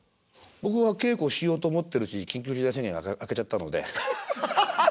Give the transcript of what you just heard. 僕は稽古しようと思ってるうちに緊急事態宣言が明けちゃったので。